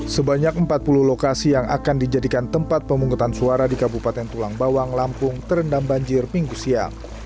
sebanyak empat puluh lokasi yang akan dijadikan tempat pemungutan suara di kabupaten tulang bawang lampung terendam banjir minggu siang